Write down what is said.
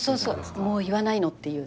もう言わないのっていうね。